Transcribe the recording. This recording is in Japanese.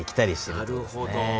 なるほど。